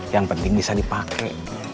yang penting bisa dipake